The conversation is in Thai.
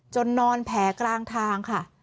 นอนแผลกลางทางค่ะ